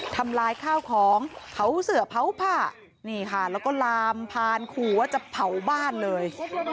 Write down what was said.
ทำลายข้าวของเผาเสือเผาผ้านี่ค่ะแล้วก็ลามพานขู่ว่าจะเผาบ้านเลย